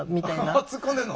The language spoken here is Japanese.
突っ込んでんの？